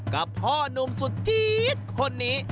กับพ่อนุ่มสุดจี๊ดคนนี้